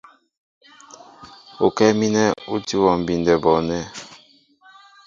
Ukɛ́ɛ́ mínɛ ú tí wɔ mbindɛ bɔɔnɛ́.